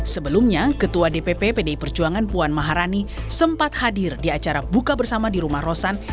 sebelumnya ketua dpp pdi perjuangan puan maharani sempat hadir di acara buka bersama di rumah rosan